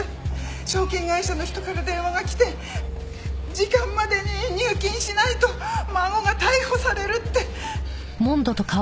証券会社の人から電話が来て時間までに入金しないと孫が逮捕されるって！